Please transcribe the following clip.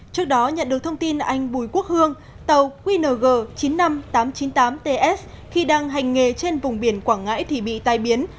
trước đó nhận được thông tin anh bùi quốc hương tàu qng chín mươi năm nghìn tám trăm chín mươi tám ts khi đang hành nghề trên vùng biển quảng ngãi thì bị tai biến